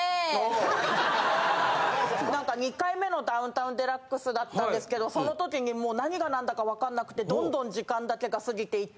何か２回目の『ダウンタウンＤＸ』だったんですけどその時にもう何が何だか分かんなくてどんどん時間だけが過ぎていって。